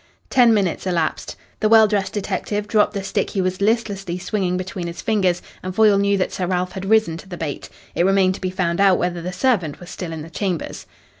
Ten minutes elapsed. The well dressed detective dropped the stick he was listlessly swinging between his fingers, and Foyle knew that Sir Ralph had risen to the bait. It remained to be found out whether the servant was still in the chambers.